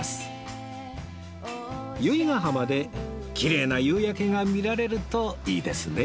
由比ガ浜できれいな夕焼けが見られるといいですね